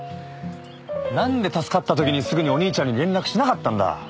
なんで助かった時にすぐにお兄ちゃんに連絡しなかったんだ？